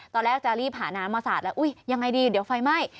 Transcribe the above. ตอนแรกจะรีบหาน้ำมาสาดแล้วอุ้ยยังไงดีเดี๋ยวไฟไหม้